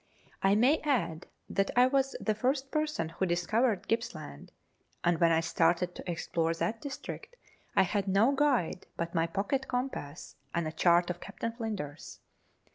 I may add that I was the first person who discovered Gipps land, and when I started to explore that district I had no guide but my pocket compass and a chart of Captain Flinders.